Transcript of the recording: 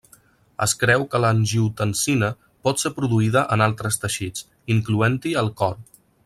Es creu que l'angiotensina pot ser produïda en altres teixits, incloent-hi el cor.